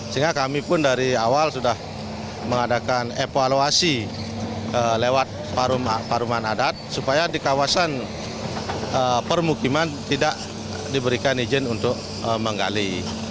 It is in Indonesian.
sehingga kami pun dari awal sudah mengadakan evaluasi lewat paruman adat supaya di kawasan permukiman tidak diberikan izin untuk menggali